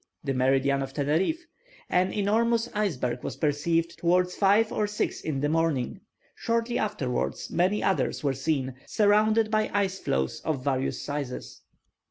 (the meridian of Teneriffe), an enormous iceberg was perceived towards five or six in the morning; shortly afterwards many others were seen, surrounded by ice floes of various sizes.